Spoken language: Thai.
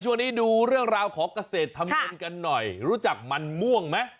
ช่วงนี้ดูเรื่องราวของเกษตรทำเงินกันหน่อยรู้จักมันม่วงไหม